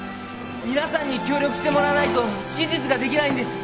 皆さんに協力してもらわないと手術ができないんです。